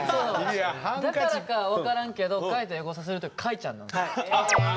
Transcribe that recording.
だからか分からんけど海人エゴサする時「海ちゃん」なんですよ。